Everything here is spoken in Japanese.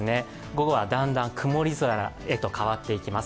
午後はだんだん曇り空へと変わっていきます。